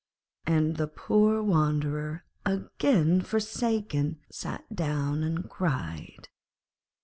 And the poor wanderer, again forsaken, sat down and cried.